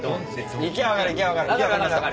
行きゃ分かる行きゃ分かる。